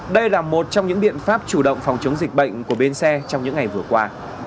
đây là một trong những biện pháp chủ động phòng chống dịch bệnh của bến xe trong những ngày vừa qua